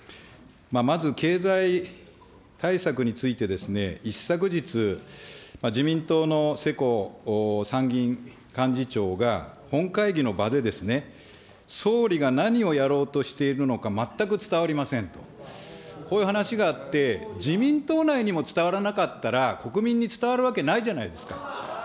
まず、経済対策についてですね、一昨日、自民党の世耕参議院幹事長が、本会議の場で、総理が何をやろうとしているのか全く伝わりませんと、こういう話があって、自民党内にも伝わらなかったら、国民に伝わるわけないじゃないですか。